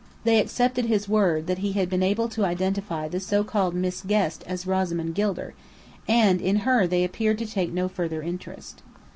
They accepted his word that he had been able to identify the so called Miss Guest as Rosamond Gilder, and in her they appeared to take no further interest.